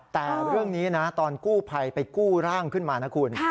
แต่เรื่องนี้นะตอนกู้ภัยไปกู้ร่างขึ้นมานะคุณ